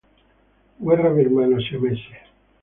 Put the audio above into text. Guerra birmano-siamese